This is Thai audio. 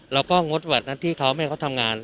แล้วก็งดหวัดนักที่เขาไม่ให้เขาทำงาน